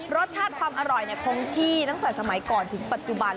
รสชาติความอร่อยคงที่ตั้งแต่สมัยก่อนถึงปัจจุบัน